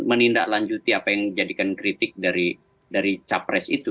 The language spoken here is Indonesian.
menindaklanjuti apa yang dijadikan kritik dari capres itu